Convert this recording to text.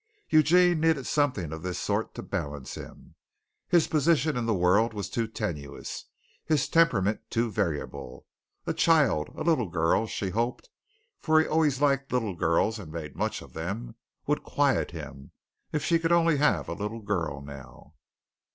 Eugene needed something of this sort to balance him. His position in the world was too tenuous, his temperament too variable. A child a little girl, she hoped, for he always liked little girls and made much of them would quiet him. If she could only have a little girl now!